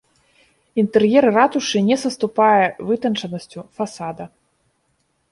Інтэр'ер ратушы не саступае вытанчанасцю фасада.